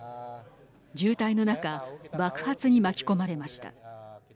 渋滞の中爆発に巻き込まれました。